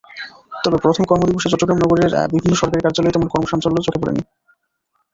তবে প্রথম কর্মদিবসে চট্টগ্রাম নগরের বিভিন্ন সরকারি কার্যালয়ে তেমন কর্মচাঞ্চল্য চোখে পড়েনি।